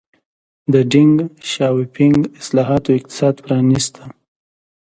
د ډینګ شیاوپینګ اصلاحاتو اقتصاد پرانیسته.